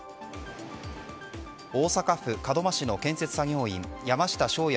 大阪府門真市の建設作業員山下翔也